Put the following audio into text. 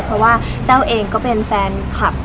เพราะว่าแต้วเองก็เป็นแฟนคลับ